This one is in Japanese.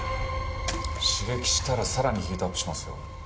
刺激したらさらにヒートアップしますよ。